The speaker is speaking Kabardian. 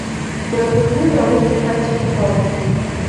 УекӀужыну яужь уихьэн си гугъэкъым.